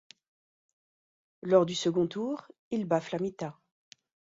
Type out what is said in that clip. Lors du second tour, il bat Flamita.